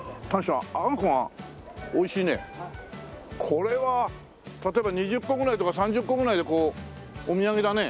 これは例えば２０個ぐらいとか３０個ぐらいでこうお土産だね。